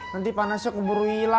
nanti panasnya kembur wila